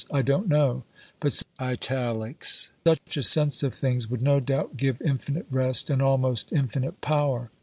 I don't know. But such a sense of things would no doubt give infinite rest and almost infinite power.